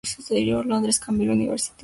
Londres: Cambridge University Press.